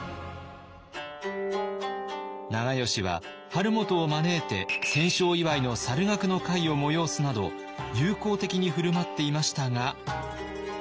長慶は晴元を招いて戦勝祝いの猿楽の会を催すなど友好的に振る舞っていましたが。